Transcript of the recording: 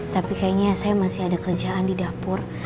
tapi kayaknya saya masih ada kerjaan di dapur